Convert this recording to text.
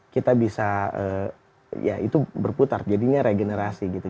kita bisa ya itu berputar jadinya regenerasi gitu